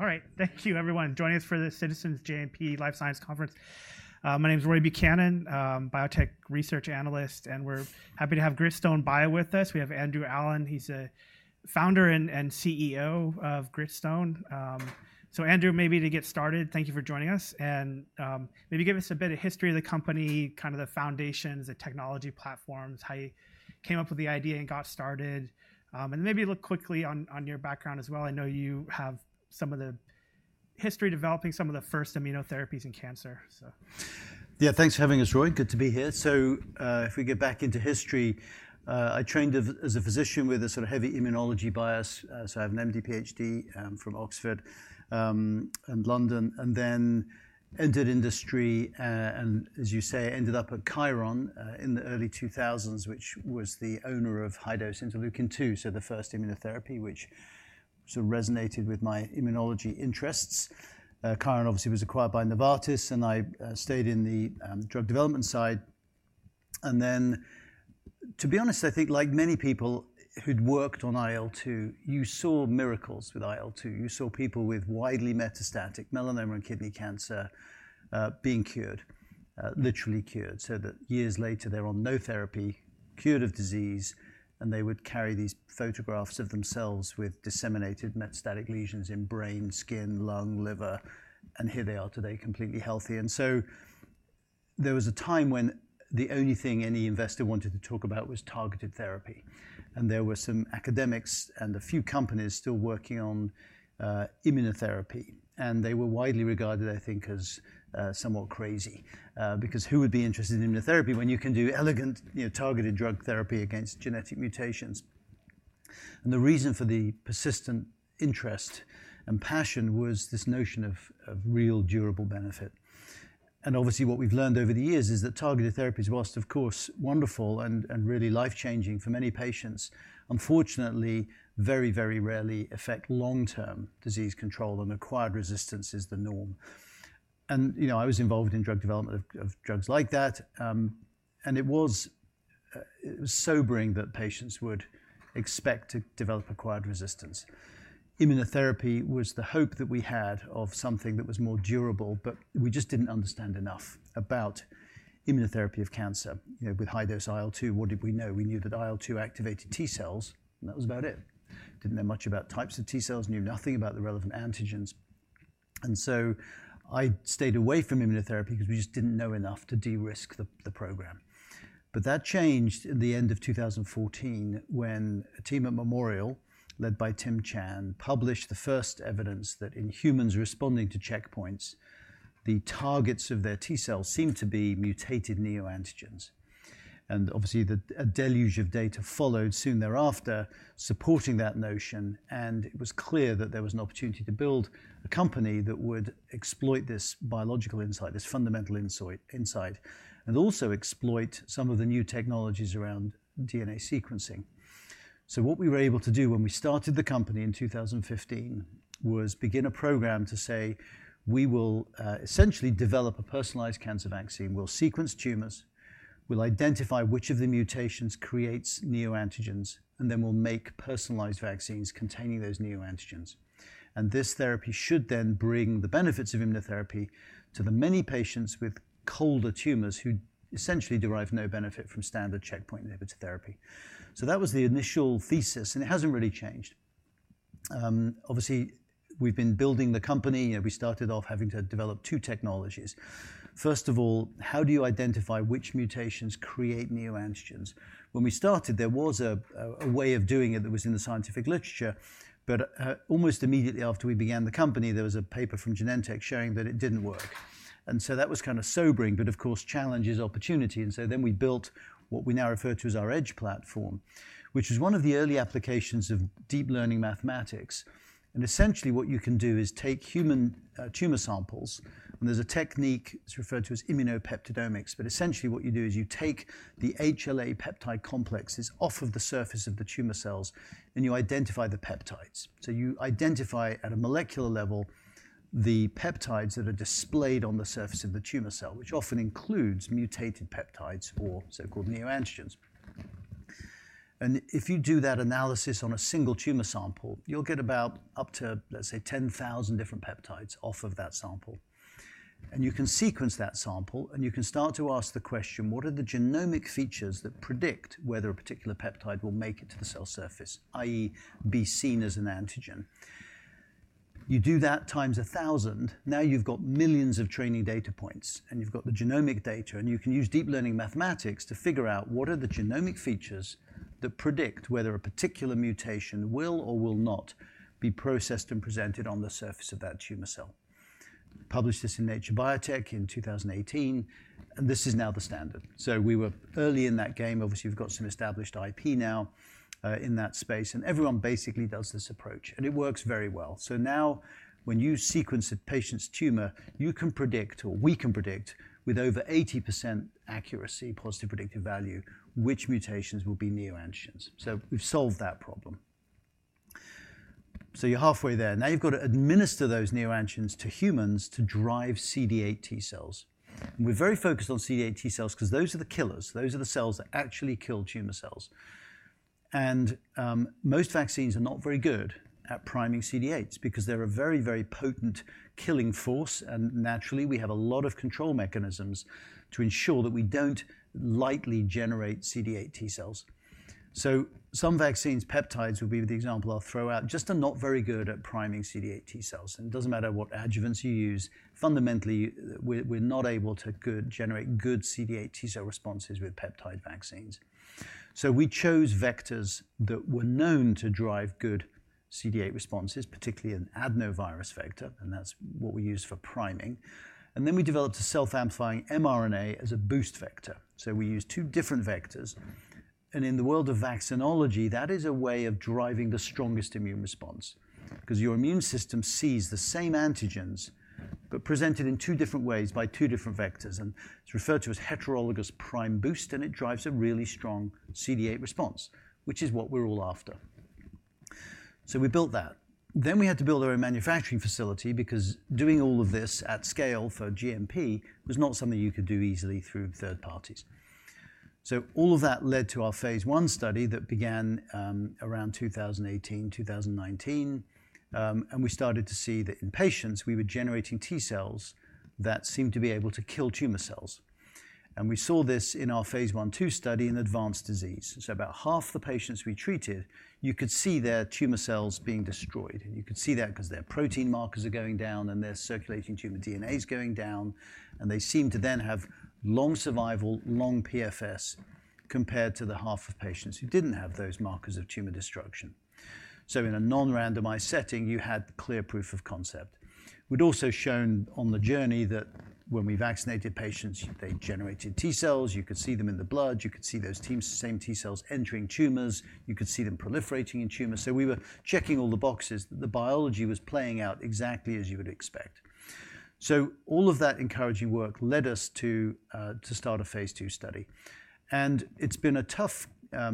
All right. Thank you, everyone. Joining us for the Citizens JMP Life Sciences Conference. My name is Roy Buchanan, Biotech Research Analyst, and we're happy to have Gritstone bio with us. We have Andrew Allen. He's a Founder and CEO of Gritstone. So, Andrew, maybe to get started, thank you for joining us and maybe give us a bit of history of the company, kind of the foundations, the technology platforms, how you came up with the idea and got started, and maybe look quickly on your background as well. I know you have some of the history developing some of the first immunotherapies in cancer. Yeah. Thanks for having us, Roy. Good to be here. So if we get back into history, I trained as a physician with a sort of heavy immunology bias. So I have an MD, PhD from Oxford and London and then entered industry. And as you say, I ended up at Chiron in the early 2000s, which was the owner of high-dose interleukin-2, so the first immunotherapy which sort of resonated with my immunology interests. Chiron obviously was acquired by Novartis, and I stayed in the drug development side. And then, to be honest, I think like many people who'd worked on IL-2, you saw miracles with IL-2. You saw people with widely metastatic melanoma and kidney cancer being cured, literally cured, so that years later they're on no therapy, cured of disease, and they would carry these photographs of themselves with disseminated metastatic lesions in brain, skin, lung, liver. And here they are today, completely healthy. And so there was a time when the only thing any investor wanted to talk about was targeted therapy. And there were some academics and a few companies still working on immunotherapy. And they were widely regarded, I think, as somewhat crazy because who would be interested in immunotherapy when you can do elegant targeted drug therapy against genetic mutations? And the reason for the persistent interest and passion was this notion of real durable benefit. Obviously what we've learned over the years is that targeted therapies, while, of course, wonderful and really life-changing for many patients, unfortunately very, very rarely affect long-term disease control, and acquired resistance is the norm. I was involved in drug development of drugs like that. It was sobering that patients would expect to develop acquired resistance. Immunotherapy was the hope that we had of something that was more durable, but we just didn't understand enough about immunotherapy of cancer with high-dose IL-2. What did we know? We knew that IL-2 activated T cells, and that was about it. Didn't know much about types of T cells, knew nothing about the relevant antigens. So I stayed away from immunotherapy because we just didn't know enough to de-risk the program. But that changed at the end of 2014 when a team at Memorial, led by Tim Chan, published the first evidence that in humans responding to checkpoints, the targets of their T cells seemed to be mutated neoantigens. And obviously a deluge of data followed soon thereafter supporting that notion. And it was clear that there was an opportunity to build a company that would exploit this biological insight, this fundamental insight, and also exploit some of the new technologies around DNA sequencing. So what we were able to do when we started the company in 2015 was begin a program to say we will essentially develop a personalized cancer vaccine. We'll sequence tumors. We'll identify which of the mutations creates neoantigens. And then we'll make personalized vaccines containing those neoantigens. And this therapy should then bring the benefits of immunotherapy to the many patients with colder tumors who essentially derive no benefit from standard checkpoint inhibitor therapy. So that was the initial thesis, and it hasn't really changed. Obviously, we've been building the company. We started off having to develop two technologies. First of all, how do you identify which mutations create neoantigens? When we started, there was a way of doing it that was in the scientific literature. But almost immediately after we began the company, there was a paper from Genentech showing that it didn't work. And so that was kind of sobering. But of course, challenge is opportunity. And so then we built what we now refer to as our EDGE platform, which is one of the early applications of deep learning mathematics. And essentially what you can do is take human tumor samples. There's a technique referred to as immunopeptidomics. Essentially what you do is you take the HLA peptide complexes off of the surface of the tumor cells, and you identify the peptides. You identify at a molecular level the peptides that are displayed on the surface of the tumor cell, which often includes mutated peptides or so-called neoantigens. If you do that analysis on a single tumor sample, you'll get about up to, let's say, 10,000 different peptides off of that sample. You can sequence that sample, and you can start to ask the question, what are the genomic features that predict whether a particular peptide will make it to the cell surface, i.e., be seen as an antigen? You do that times 1,000. Now you've got millions of training data points, and you've got the genomic data, and you can use deep learning mathematics to figure out what are the genomic features that predict whether a particular mutation will or will not be processed and presented on the surface of that tumor cell. Published this in Nature Biotechnology in 2018. This is now the standard. So we were early in that game. Obviously, you've got some established IP now in that space, and everyone basically does this approach, and it works very well. So now when you sequence a patient's tumor, you can predict, or we can predict with over 80% accuracy, positive predictive value, which mutations will be neoantigens. So we've solved that problem. So you're halfway there. Now you've got to administer those neoantigens to humans to drive CD8 T cells. We're very focused on CD8 T cells because those are the killers. Those are the cells that actually kill tumor cells. Most vaccines are not very good at priming CD8s because they're a very, very potent killing force. Naturally, we have a lot of control mechanisms to ensure that we don't lightly generate CD8 T cells. Some vaccines, peptides would be the example, I'll throw out, just are not very good at priming CD8 T cells. It doesn't matter what adjuvants you use. Fundamentally, we're not able to generate good CD8 T cell responses with peptide vaccines. We chose vectors that were known to drive good CD8 responses, particularly an adenovirus vector. That's what we use for priming. Then we developed a self-amplifying mRNA as a boost vector. We use two different vectors. In the world of vaccinology, that is a way of driving the strongest immune response because your immune system sees the same antigens but presented in two different ways by two different vectors. It's referred to as heterologous prime-boost, and it drives a really strong CD8 response, which is what we're all after. We built that. We had to build our own manufacturing facility because doing all of this at scale for GMP was not something you could do easily through third parties. All of that led to our phase 1 study that began around 2018, 2019. We started to see that in patients, we were generating T cells that seemed to be able to kill tumor cells. We saw this in our phase 1/2 study in advanced disease. So about half the patients we treated, you could see their tumor cells being destroyed. And you could see that because their protein markers are going down, and their circulating tumor DNA is going down. And they seem to then have long survival, long PFS compared to the half of patients who didn't have those markers of tumor destruction. So in a non-randomized setting, you had clear proof of concept. We'd also shown on the journey that when we vaccinated patients, they generated T cells. You could see them in the blood. You could see those same T cells entering tumors. You could see them proliferating in tumors. So we were checking all the boxes. The biology was playing out exactly as you would expect. So all of that encouraging work led us to start a phase II study. It's been a tough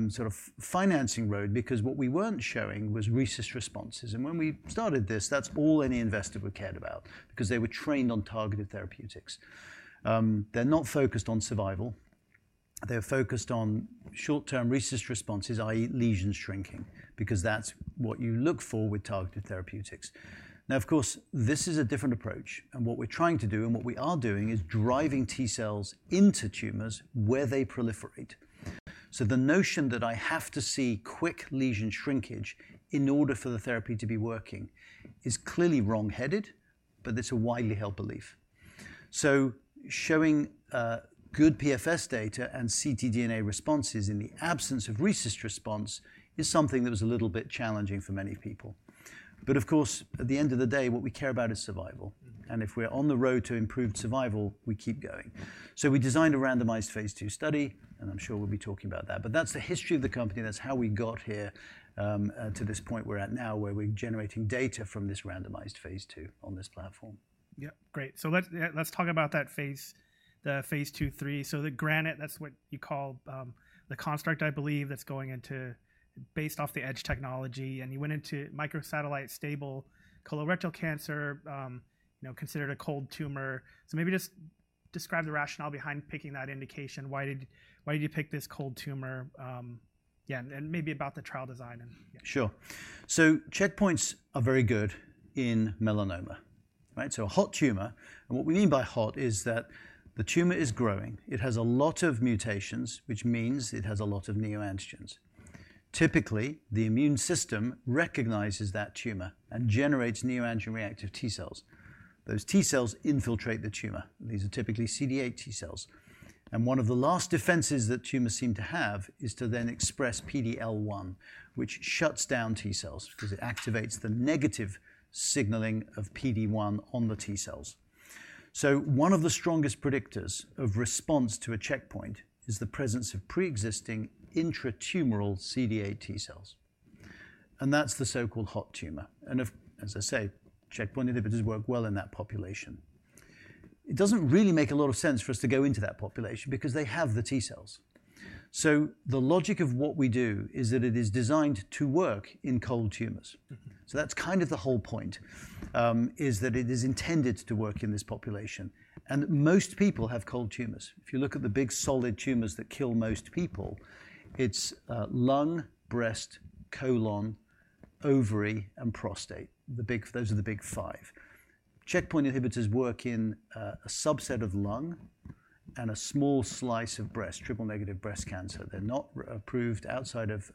sort of financing road because what we weren't showing was RECIST responses. When we started this, that's all any investor would care about because they were trained on targeted therapeutics. They're not focused on survival. They're focused on short-term RECIST responses, i.e., lesion shrinking, because that's what you look for with targeted therapeutics. Now, of course, this is a different approach. What we're trying to do and what we are doing is driving T cells into tumors where they proliferate. So the notion that I have to see quick lesion shrinkage in order for the therapy to be working is clearly wrongheaded, but it's a widely held belief. So showing good PFS data and ctDNA responses in the absence of RECIST response is something that was a little bit challenging for many people. Of course, at the end of the day, what we care about is survival. If we're on the road to improved survival, we keep going. We designed a randomized phase II study, and I'm sure we'll be talking about that. That's the history of the company. That's how we got here to this point we're at now, where we're generating data from this randomized phase II on this platform. Yeah. Great. So let's talk about that phase, the phase II, III. So the GRANITE, that's what you call the construct, I believe, that's going into based off the EDGE technology. And you went into microsatellite stable colorectal cancer, considered a cold tumor. So maybe just describe the rationale behind picking that indication. Why did you pick this cold tumor? Yeah. And maybe about the trial design. Sure. Checkpoints are very good in melanoma. A hot tumor. What we mean by hot is that the tumor is growing. It has a lot of mutations, which means it has a lot of neoantigens. Typically, the immune system recognizes that tumor and generates neoantigen reactive T cells. Those T cells infiltrate the tumor. These are typically CD8 T cells. One of the last defenses that tumors seem to have is to then express PD-L1, which shuts down T cells because it activates the negative signaling of PD-1 on the T cells. One of the strongest predictors of response to a checkpoint is the presence of preexisting intratumoral CD8 T cells. That's the so-called hot tumor. As I say, checkpoint inhibitors work well in that population. It doesn't really make a lot of sense for us to go into that population because they have the T cells. So the logic of what we do is that it is designed to work in cold tumors. So that's kind of the whole point, is that it is intended to work in this population. And most people have cold tumors. If you look at the big solid tumors that kill most people, it's lung, breast, colon, ovary, and prostate. Those are the big five. Checkpoint inhibitors work in a subset of lung and a small slice of breast, triple negative breast cancer. They're not approved outside of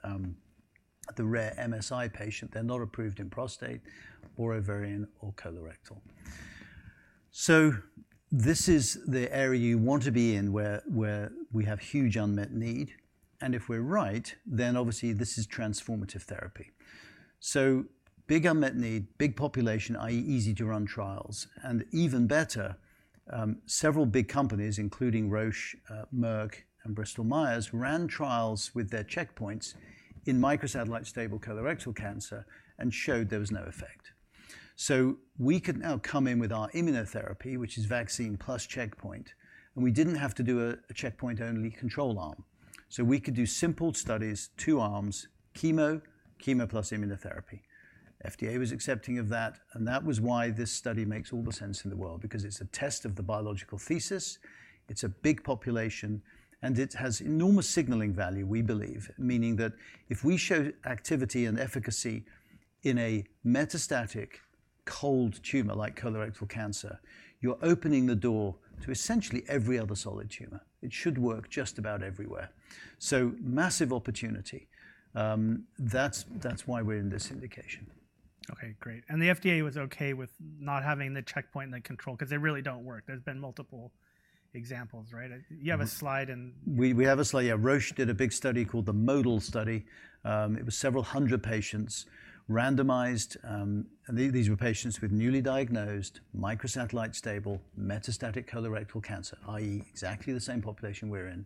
the rare MSI patient. They're not approved in prostate or ovarian or colorectal. So this is the area you want to be in where we have huge unmet need. And if we're right, then obviously this is transformative therapy. So big unmet need, big population, i.e., easy to run trials. And even better, several big companies, including Roche, Merck, and Bristol Myers Squibb, ran trials with their checkpoints in microsatellite stable colorectal cancer and showed there was no effect. So we could now come in with our immunotherapy, which is vaccine plus checkpoint. And we didn't have to do a checkpoint-only control arm. So we could do simple studies, two arms, chemo, chemo plus immunotherapy. FDA was accepting of that. And that was why this study makes all the sense in the world because it's a test of the biological thesis. It's a big population. And it has enormous signaling value, we believe, meaning that if we show activity and efficacy in a metastatic cold tumor like colorectal cancer, you're opening the door to essentially every other solid tumor. It should work just about everywhere. So massive opportunity. That's why we're in this indication. OK. Great. The FDA was OK with not having the checkpoint and the control because they really don't work. There's been multiple examples. You have a slide in. We have a slide. Yeah. Roche did a big study called the MODUL study. It was several hundred patients randomized. These were patients with newly diagnosed microsatellite stable metastatic colorectal cancer, i.e., exactly the same population we're in,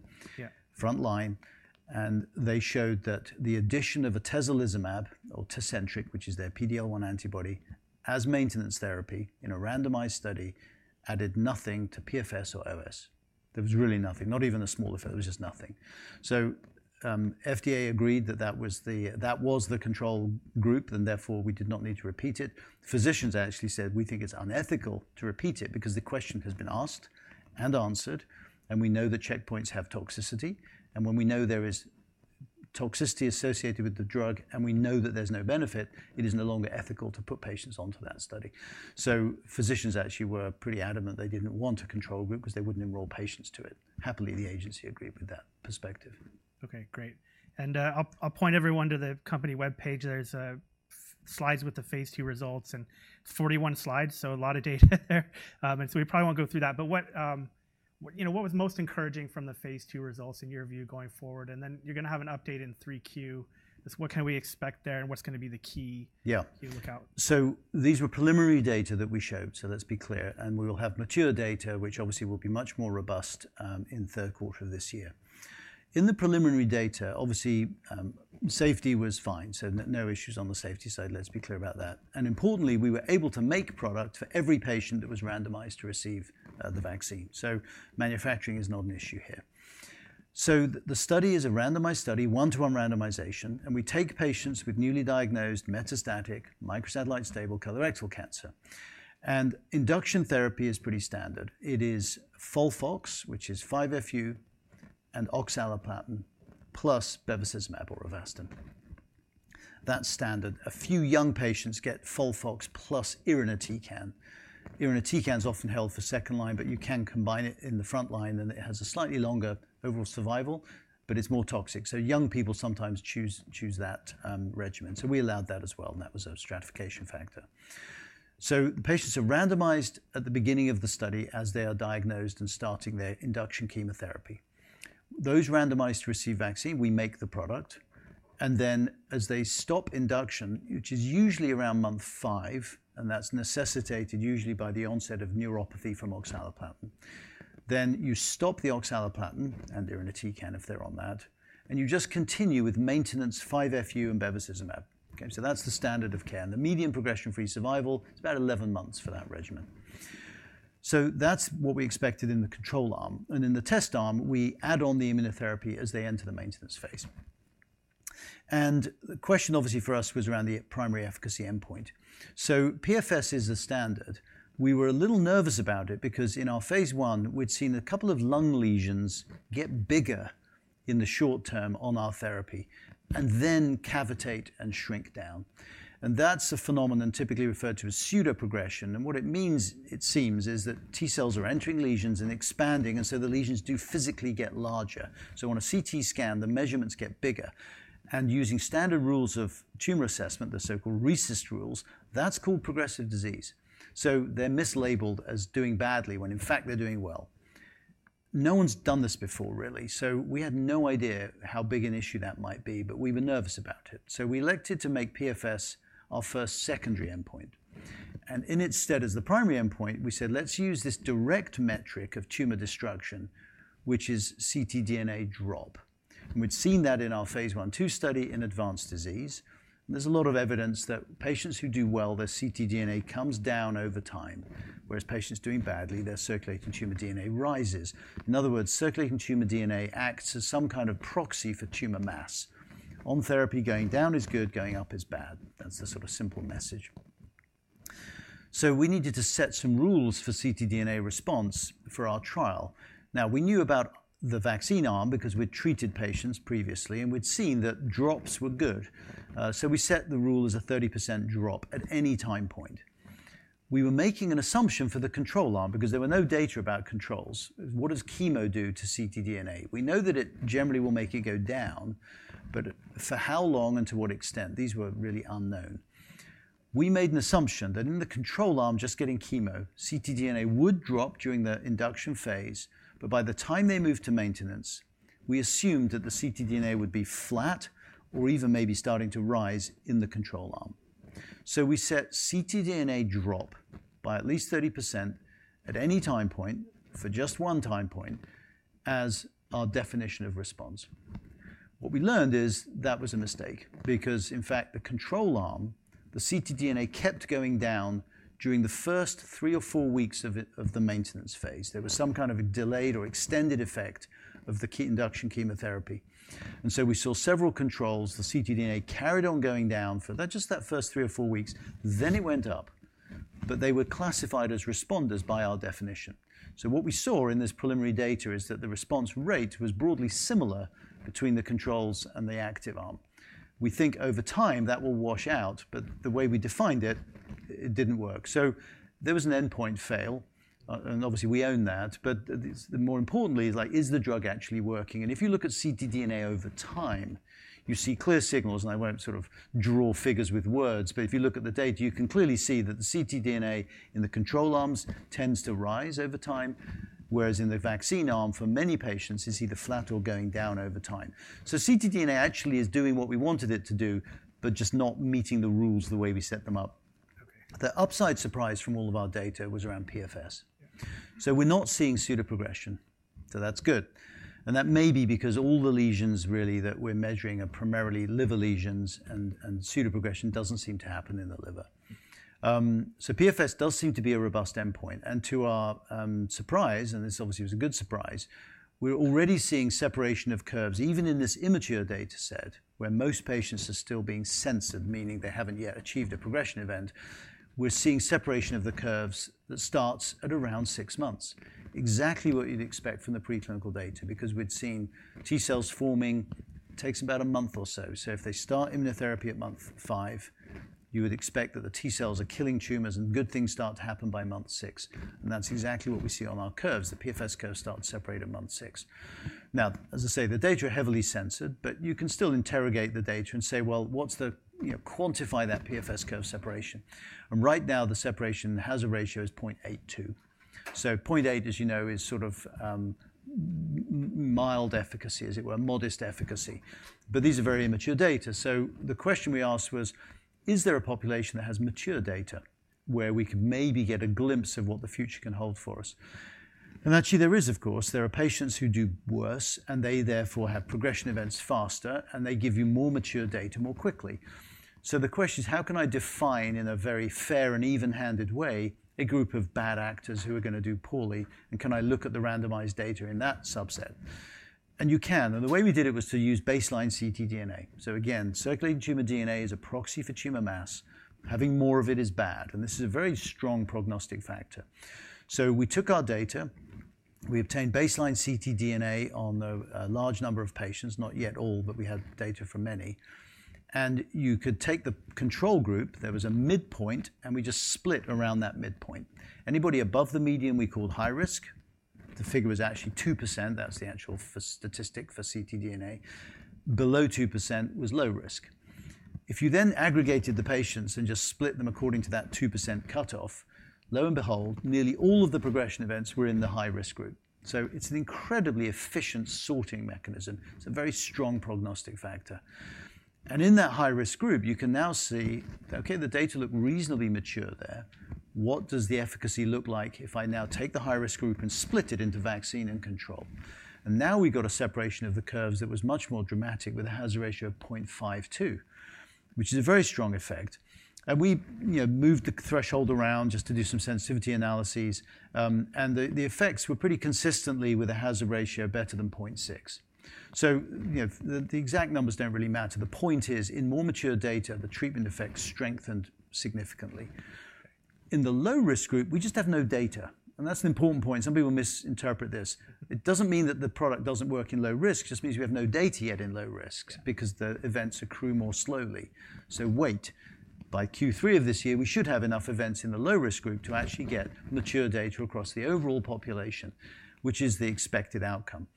front line. They showed that the addition of atezolizumab or Tecentriq, which is their PD-L1 antibody, as maintenance therapy in a randomized study added nothing to PFS or OS. There was really nothing, not even a small effect. There was just nothing. So FDA agreed that that was the control group, and therefore we did not need to repeat it. Physicians actually said, we think it's unethical to repeat it because the question has been asked and answered. We know that checkpoints have toxicity. When we know there is toxicity associated with the drug and we know that there's no benefit, it is no longer ethical to put patients onto that study. So physicians actually were pretty adamant they didn't want a control group because they wouldn't enroll patients to it. Happily, the agency agreed with that perspective. OK. Great. I'll point everyone to the company web page. There's slides with the phase II results. It's 41 slides, so a lot of data there. So we probably won't go through that. But what was most encouraging from the phase II results in your view going forward? Then you're going to have an update in 3Q. What can we expect there, and what's going to be the key lookout? These were preliminary data that we showed. Let's be clear. We will have mature data, which obviously will be much more robust in third quarter of this year. In the preliminary data, obviously safety was fine. No issues on the safety side. Let's be clear about that. Importantly, we were able to make product for every patient that was randomized to receive the vaccine. Manufacturing is not an issue here. The study is a randomized study, one-to-one randomization. We take patients with newly diagnosed metastatic microsatellite stable colorectal cancer. Induction therapy is pretty standard. It is FOLFOX, which is 5-FU, and oxaliplatin plus bevacizumab or Avastin. That's standard. A few young patients get FOLFOX plus irinotecan. Irinotecan is often held for second line, but you can combine it in the front line, and it has a slightly longer overall survival. But it's more toxic. So young people sometimes choose that regimen. So we allowed that as well, and that was a stratification factor. So the patients are randomized at the beginning of the study as they are diagnosed and starting their induction chemotherapy. Those randomized to receive vaccine, we make the product. And then as they stop induction, which is usually around month five, and that's necessitated usually by the onset of neuropathy from oxaliplatin, then you stop the oxaliplatin and irinotecan if they're on that. And you just continue with maintenance 5-FU and bevacizumab. So that's the standard of care. And the median progression-free survival is about 11 months for that regimen. So that's what we expected in the control arm. And in the test arm, we add on the immunotherapy as they enter the maintenance phase. And the question, obviously, for us was around the primary efficacy endpoint. PFS is the standard. We were a little nervous about it because in our phase II, we'd seen a couple of lung lesions get bigger in the short term on our therapy and then cavitate and shrink down. And that's a phenomenon typically referred to as pseudoprogression. And what it means, it seems, is that T cells are entering lesions and expanding. And so the lesions do physically get larger. So on a CT scan, the measurements get bigger. And using standard rules of tumor assessment, the so-called RECIST rules, that's called progressive disease. So they're mislabeled as doing badly when, in fact, they're doing well. No one's done this before, really. So we had no idea how big an issue that might be. But we were nervous about it. So we elected to make PFS our first secondary endpoint. In its stead as the primary endpoint, we said, let's use this direct metric of tumor destruction, which is ctDNA drop. We'd seen that in our phase I/II study in advanced disease. There's a lot of evidence that patients who do well, their ctDNA comes down over time. Whereas patients doing badly, their circulating tumor DNA rises. In other words, circulating tumor DNA acts as some kind of proxy for tumor mass. On therapy, going down is good. Going up is bad. That's the sort of simple message. So we needed to set some rules for ctDNA response for our trial. Now, we knew about the vaccine arm because we'd treated patients previously. We'd seen that drops were good. So we set the rule as a 30% drop at any time point. We were making an assumption for the control arm because there were no data about controls. What does chemo do to ctDNA? We know that it generally will make it go down. But for how long and to what extent, these were really unknown. We made an assumption that in the control arm, just getting chemo, ctDNA would drop during the induction phase. But by the time they moved to maintenance, we assumed that the ctDNA would be flat or even maybe starting to rise in the control arm. So we set ctDNA drop by at least 30% at any time point for just one time point as our definition of response. What we learned is that was a mistake because, in fact, the control arm, the ctDNA kept going down during the first three or four weeks of the maintenance phase. There was some kind of a delayed or extended effect of the induction chemotherapy. And so we saw several controls. The ctDNA carried on going down for just that first three or four weeks. Then it went up. But they were classified as responders by our definition. So what we saw in this preliminary data is that the response rate was broadly similar between the controls and the active arm. We think over time that will wash out. But the way we defined it, it didn't work. So there was an endpoint fail. And obviously, we own that. But more importantly, is like, is the drug actually working? And if you look at ctDNA over time, you see clear signals. And I won't sort of draw figures with words. But if you look at the data, you can clearly see that the ctDNA in the control arms tends to rise over time. Whereas in the vaccine arm, for many patients, it's either flat or going down over time. So ctDNA actually is doing what we wanted it to do but just not meeting the rules the way we set them up. The upside surprise from all of our data was around PFS. So we're not seeing pseudoprogression. So that's good. And that may be because all the lesions, really, that we're measuring are primarily liver lesions. And pseudoprogression doesn't seem to happen in the liver. So PFS does seem to be a robust endpoint. And to our surprise, and this obviously was a good surprise, we're already seeing separation of curves, even in this immature data set where most patients are still being censored, meaning they haven't yet achieved a progression event. We're seeing separation of the curves that starts at around six months, exactly what you'd expect from the preclinical data because we'd seen T cells forming. It takes about a month or so. So if they start immunotherapy at month five, you would expect that the T cells are killing tumors. And good things start to happen by month six. And that's exactly what we see on our curves. The PFS curve starts to separate at month six. Now, as I say, the data are heavily censored. But you can still interrogate the data and say, well, quantify that PFS curve separation. And right now, the separation has a ratio as 0.82. So 0.8, as you know, is sort of mild efficacy, as it were, modest efficacy. But these are very immature data. So the question we asked was, is there a population that has mature data where we could maybe get a glimpse of what the future can hold for us? And actually, there is, of course. There are patients who do worse. And they, therefore, have progression events faster. And they give you more mature data more quickly. So the question is, how can I define, in a very fair and even-handed way, a group of bad actors who are going to do poorly? And can I look at the randomized data in that subset? And you can. And the way we did it was to use baseline ctDNA. So again, circulating tumor DNA is a proxy for tumor mass. Having more of it is bad. This is a very strong prognostic factor. We took our data. We obtained baseline ctDNA on a large number of patients, not yet all. We had data from many. You could take the control group. There was a midpoint. We just split around that midpoint. Anybody above the median, we called high risk. The figure is actually 2%. That's the actual statistic for ctDNA. Below 2% was low risk. If you then aggregated the patients and just split them according to that 2% cutoff, lo and behold, nearly all of the progression events were in the high risk group. It's an incredibly efficient sorting mechanism. It's a very strong prognostic factor. In that high risk group, you can now see, okay, the data look reasonably mature there. What does the efficacy look like if I now take the high risk group and split it into vaccine and control? And now we've got a separation of the curves that was much more dramatic with a hazard ratio of 0.52, which is a very strong effect. And we moved the threshold around just to do some sensitivity analyses. And the effects were pretty consistently with a hazard ratio better than 0.6. So the exact numbers don't really matter. The point is, in more mature data, the treatment effects strengthened significantly. In the low risk group, we just have no data. And that's an important point. Some people misinterpret this. It doesn't mean that the product doesn't work in low risk. It just means we have no data yet in low risk because the events accrue more slowly. So wait. By Q3 of this year, we should have enough events in the low risk group to actually get mature data across the overall population, which is the expected outcome.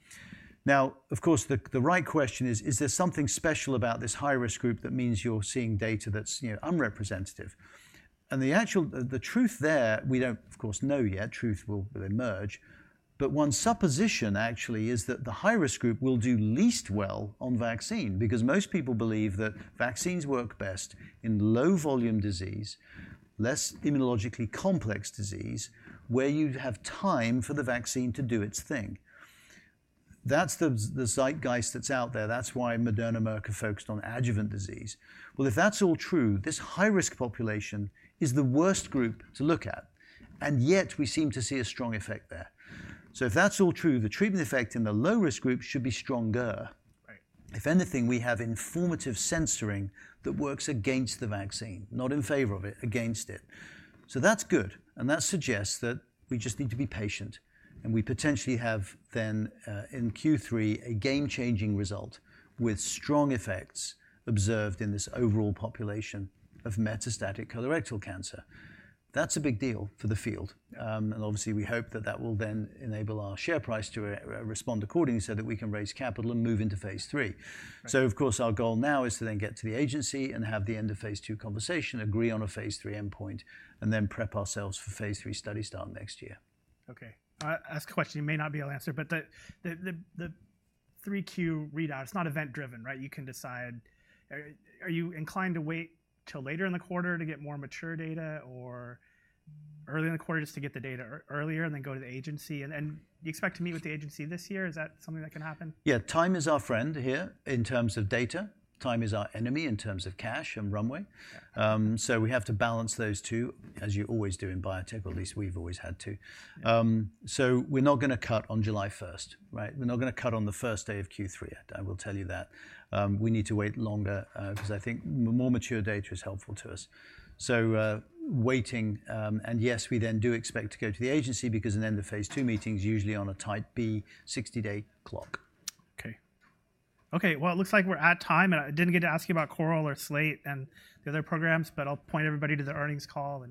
Now, of course, the right question is, is there something special about this high risk group that means you're seeing data that's unrepresentative? And the truth there, we don't, of course, know yet. Truth will emerge. But one supposition actually is that the high risk group will do least well on vaccine because most people believe that vaccines work best in low volume disease, less immunologically complex disease, where you have time for the vaccine to do its thing. That's the zeitgeist that's out there. That's why Moderna and Merck are focused on adjuvant disease. Well, if that's all true, this high risk population is the worst group to look at. And yet, we seem to see a strong effect there. So if that's all true, the treatment effect in the low risk group should be stronger. If anything, we have informative censoring that works against the vaccine, not in favor of it, against it. So that's good. And that suggests that we just need to be patient. And we potentially have, then, in Q3, a game-changing result with strong effects observed in this overall population of metastatic colorectal cancer. That's a big deal for the field. And obviously, we hope that that will then enable our share price to respond accordingly so that we can raise capital and move into phase III. So of course, our goal now is to then get to the agency and have the end of phase II conversation, agree on a phase III endpoint, and then prep ourselves for phase III study start next year. OK. I'll ask a question. It may not be an answer. But the 3Q readout, it's not event-driven, right? You can decide. Are you inclined to wait till later in the quarter to get more mature data or early in the quarter just to get the data earlier and then go to the agency? And you expect to meet with the agency this year. Is that something that can happen? Yeah. Time is our friend here in terms of data. Time is our enemy in terms of cash and runway. So we have to balance those two, as you always do in biotech, or at least we've always had to. So we're not going to cut on July 1, right? We're not going to cut on the first day of Q3 yet. I will tell you that. We need to wait longer because I think more mature data is helpful to us. So waiting. Yes, we then do expect to go to the agency because an end of phase II meeting is usually on a type B 60-day clock. Well, it looks like we're at time. And I didn't get to ask you about CORAL or SLATE and the other programs. But I'll point everybody to the earnings call.